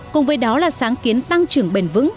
cùng với đó là sáng kiến tăng trưởng bền vững